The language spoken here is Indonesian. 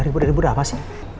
ada ribut ribut apa sih